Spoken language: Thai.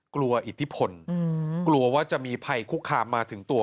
อิทธิพลกลัวว่าจะมีภัยคุกคามมาถึงตัว